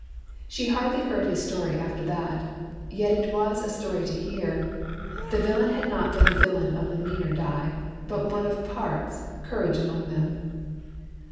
She hardly heard his story after that. Yet it was a story to hear. The villain had not been a villain of the meaner dye, but one of parts, courage among them.